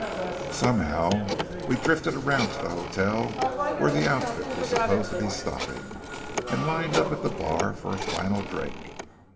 Somehow we drifted around to the hotel where the outfit were supposed to be stopping, and lined up at the bar for a final drink.